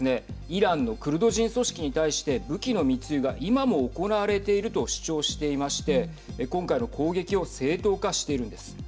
イランのクルド人組織に対して武器の密輸が今も行われていると主張していまして今回の攻撃を正当化しているんです。